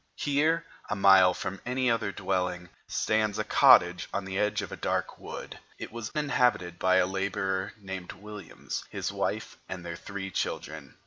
Here, a mile from any other dwelling, stands a cottage on the edge of a dark wood. It was inhabited by a laborer named Williams, his wife, and their three children.